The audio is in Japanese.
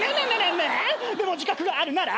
「でも自覚があるなら」